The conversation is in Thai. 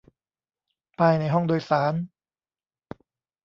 ป้ายในห้องโดยสาร